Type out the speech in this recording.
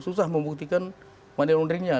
susah membuktikan mandir mandirnya